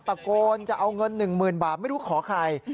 ตะโกนจะเอาเงิน๑๐๐๐บาทไม่รู้ขอใคร